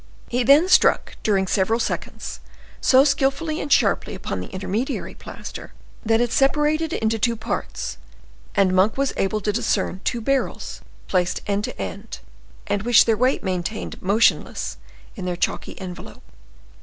He then struck, during several seconds, so skillfully and sharply upon the intermediary plaster, that it separated into two parts, and Monk was able to discern two barrels placed end to end, and which their weight maintained motionless in their chalky envelope.